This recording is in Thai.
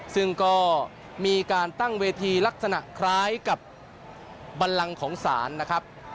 ซึ่งก็มีการตั้งเวทีลักษณะคล้ายกับบันลังของศาลนะครับ